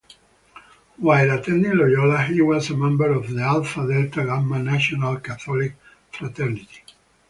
While attending Loyola he was a member of Alpha Delta Gamma National Catholic Fraternity.